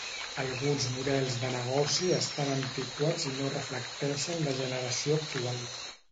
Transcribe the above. Alguns models de negoci estan antiquats i no reflecteixen la generació actual.